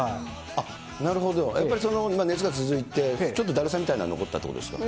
なるほど、やっぱり熱が続いて、ちょっとだるさみたいなの残ったってことですか。